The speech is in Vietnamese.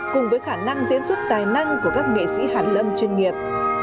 cùng với khả năng diễn xuất tài năng của các nghệ sĩ hàn lâm chuyên nghiệp